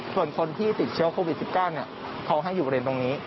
ส่วนคนที่ติดเชื้อโควิด๑๙เขาให้อยู่บริเวณตรงนี้